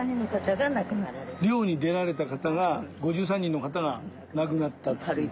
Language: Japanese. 漁に出られた方が５３人の方が亡くなったって。